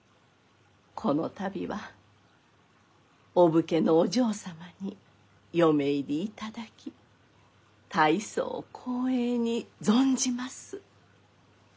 この度はお武家のお嬢様に嫁入りいただき大層光栄に存じます。